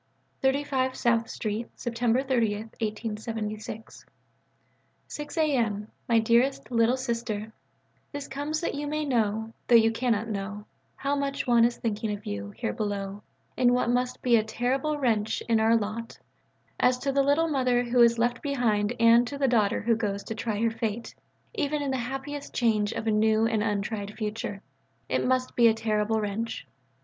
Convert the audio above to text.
_) 35 SOUTH STREET, Sept. 30 . 6 A.M. MY DEAREST "LITTLE SISTER" This comes that you may know (though you cannot know) how much one is thinking of you here below in what must be a terrible wrench in our lot: as to the little mother who is left behind and to the daughter who goes to try her fate even in the happiest change of a new and untried future, it must be a terrible wrench.